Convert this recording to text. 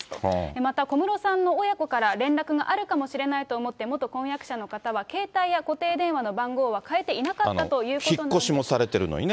また、小室さんの親子から連絡があるかもしれないと思って、元婚約者の方は携帯や固定電話の番号は変えていなかったというこ引っ越しもされているのにね。